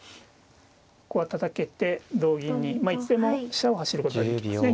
ここはたたけて同銀にまあいつでも飛車を走ることができますね。